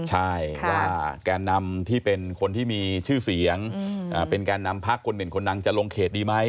ว่าการนำที่เป็นคนที่มีชื่อเสียงเป็นการนำพักคนเหน่นคนนางจะลงเขตดีไหม